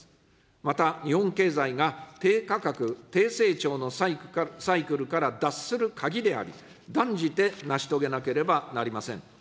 また、日本経済が低価格、低成長のサイクルから脱する鍵であり、断じて成し遂げなければなりません。